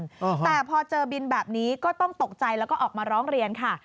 แต่พอเจอบินแบบนี้ก็ต้องตกใจแล้วก็ออกมาร้องเรียนค่ะ